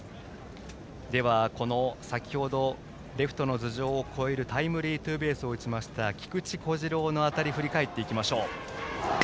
では、先程レフトの頭上を越えるタイムリーツーベースを打ちました菊池虎志朗の当たりを振り返っていきましょう。